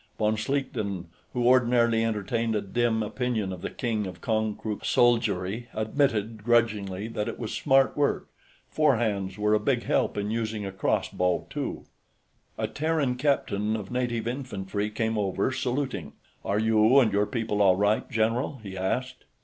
Von Schlichten, who ordinarily entertained a dim opinion of the King of Konkrook's soldiery, admitted, grudgingly, that it was smart work; four hands were a big help in using a crossbow, too. A Terran captain of native infantry came over, saluting. "Are you and your people all right, general?" he asked.